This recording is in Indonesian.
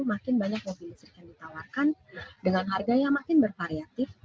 makin banyak mobil listrik yang ditawarkan dengan harga yang makin bervariatif